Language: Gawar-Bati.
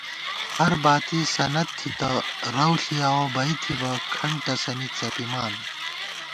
ہَریَک باتی سند تھِتہ، رَؤ ݪِیاوَہ بئ تھِبہ کھنٹ تسَنی څَپِمان